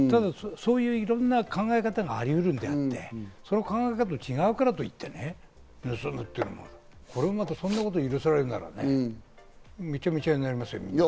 いろんな考え方がありうるのであって、考え方が違うからといって盗むというのは、そんなこと許されるならね、めちゃめちゃになりますよ。